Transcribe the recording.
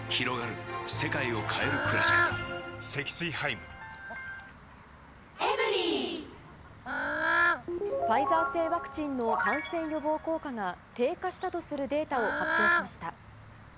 もう赤い日はもうてっきりもファイザー製ワクチンの感染予防効果が低下したとするデータを発表しました。